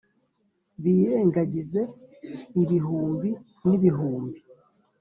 birengagize ibihumbi n'ibihumbi